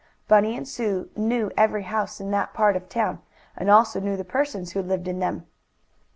Bunny and Sue knew every house in that part of town, and also knew the persons who lived in them.